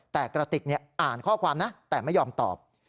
แต่กระติกอ่านข้อความนะแต่ไม่ยอมตอบ